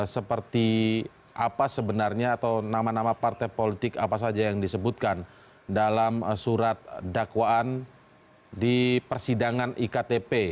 seperti apa sebenarnya atau nama nama partai politik apa saja yang disebutkan dalam surat dakwaan di persidangan iktp